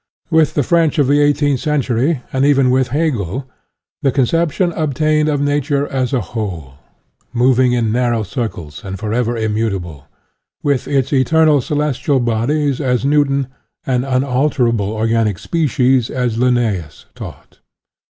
With the French of the eighteenth century, and even with Hegel, the conception ob tained of Nature as a whole, moving in narrow circles, and forever immutable, with its eternal celestial bodies, as Newton, and unalterable organic species, as Linnaeus, taught.